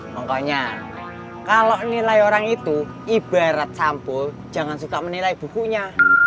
pokoknya kalau nilai orang itu ibarat sampul jangan suka menilai bukunya